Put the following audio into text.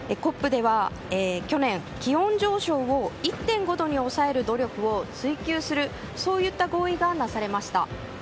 ＣＯＰでは去年、気温上昇を１．５度に抑える努力を追及するといった合意がなされました。